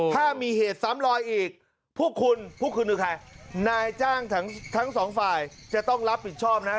ถ้ามีเหตุซ้ำลอยอีกพวกคุณพวกคุณคือใครนายจ้างทั้งสองฝ่ายจะต้องรับผิดชอบนะ